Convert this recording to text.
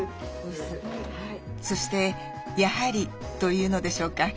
そしてやはりというのでしょうか